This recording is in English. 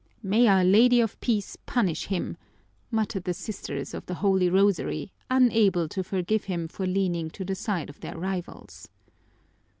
"May Our Lady of Peace punish him!" muttered the Sisters of the Holy Rosary, unable to forgive him for leaning to the side of their rivals.